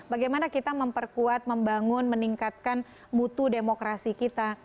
bagaimana kita memperkuat membangun meningkatkan mutu demokrasi kita